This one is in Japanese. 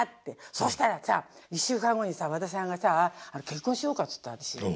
そしたらさ１週間後にさ和田さんがさ「結婚しようか」っつったの私に。